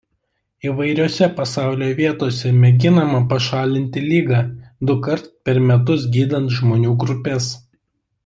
Įvairiose pasaulio vietose mėginama pašalinti ligą dukart per metus gydant žmonių grupes.